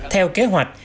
theo kế hoạch